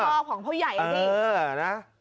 อ๋อให้พ่อของพ่อใหญ่อันนี้